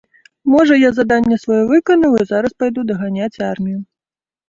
Можа, я заданне сваё выканаў і зараз пайду даганяць армію.